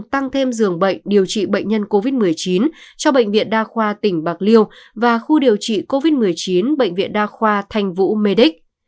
bổ sung thêm dường bệnh điều trị bệnh nhân covid một mươi chín cho bệnh viện đa khoa tỉnh bạc liêu và khu điều trị covid một mươi chín bệnh viện đa khoa thanh vũ medic